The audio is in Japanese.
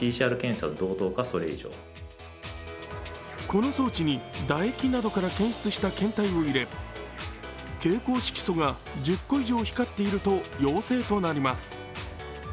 この装置に唾液などから検出した検体を入れ蛍光色素が１０個以上光っていると陽性となります。